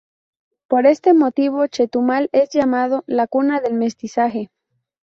Por este motivo Chetumal es llamado, "La cuna del mestizaje".